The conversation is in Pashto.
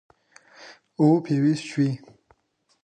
او فيوز چوي.